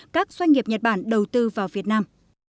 các doanh nghiệp nhật bản đầu tư vào việt nam